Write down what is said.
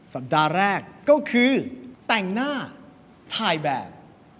สัปดาห์แรกก็คือแต่งหน้าถ่ายแบบ